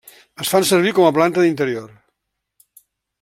Es fan servir com planta d'interior.